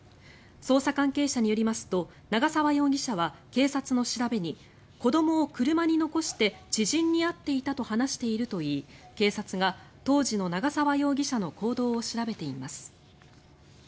捜査関係者によりますと長澤容疑者は警察の調べに子どもを車に残して知人に会っていたと話しているといい警察が当時の長澤容疑者の行動を調べています。